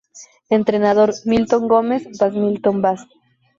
Entrenador: Milton Gomes Vaz-Milton Vaz